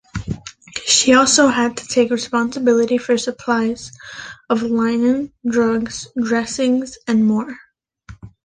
She also had to take responsibility for supplies of linen, drugs, dressings and more.